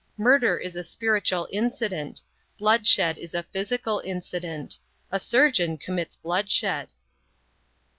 Murder is a spiritual incident. Bloodshed is a physical incident. A surgeon commits bloodshed.